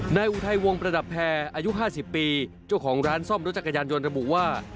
อุทัยวงประดับแพรอายุ๕๐ปีเจ้าของร้านซ่อมรถจักรยานยนต์ระบุว่า